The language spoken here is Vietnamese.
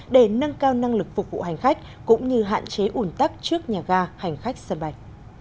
để nâng cao năng lực phục vụ hành khách cũng như hạn chế ủn tắc trước nhà ga hành khách sân bay